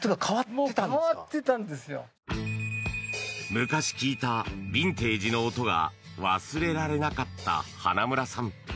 昔、聴いたビンテージの音が忘れられなかった花村さん。